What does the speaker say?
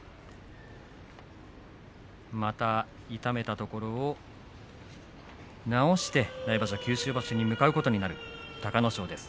また痛めたところを治して来場所、九州場所に向かうことになる隆の勝です。